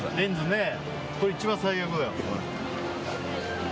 これ一番最悪だよ。